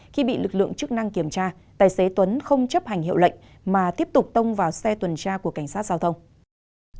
khi bị lực lượng chức năng kiểm tra tài xế tuấn không chấp hành hiệu lệnh mà tiếp tục tông vào xe tuần tra của cảnh sát giao thông